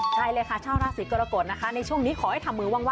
ใช่เลยค่ะชาวราศีกรกฎนะคะในช่วงนี้ขอให้ทำมือว่าง